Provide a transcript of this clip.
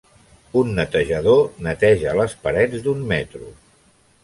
Un netejador neteja les parets d'un metro.